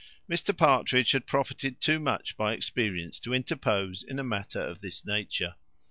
Mr Partridge had profited too much by experience to interpose in a matter of this nature.